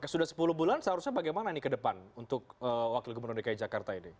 sudah sepuluh bulan seharusnya bagaimana ini ke depan untuk wakil gubernur dki jakarta ini